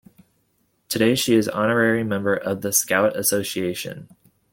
Today she is Honorary member of the Scout association.